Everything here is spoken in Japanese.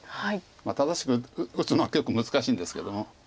正しく打つのは結構難しいんですけども。